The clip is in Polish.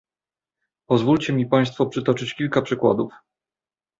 Pozwólcie mi państwo przytoczyć kilka przykładów